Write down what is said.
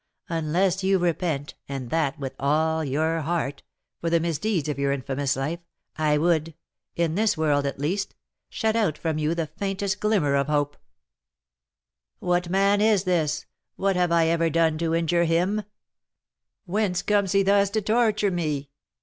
unless you repent, and that with all your heart, for the misdeeds of your infamous life, I would (in this world, at least) shut out from you the faintest glimmer of hope " "What man is this? What have I ever done to injure him? whence comes he thus to torture me?